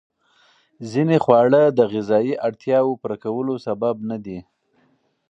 ځینې خواړه د غذایي اړتیاوو پوره کولو سبب ندي.